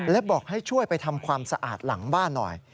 และบอกให้ช่วยไปทำความสะอาดหลังบ้านหน่อย